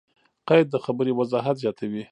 قید؛ د خبري وضاحت زیاتوي.